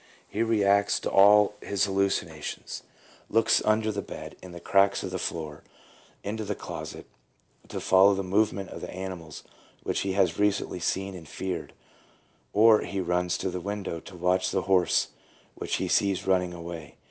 He reacts to all his hallucinations, looks under the bed, in the cracks of the floor, into the closet, to follow the movement of the animals which he has recently seen and feared ; or he runs to the window to watch the horse which he sees running away.